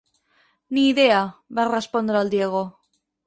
Ni idea —va respondre el Diego—.